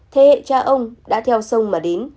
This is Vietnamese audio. thế hệ cha ông đã theo sông mà đến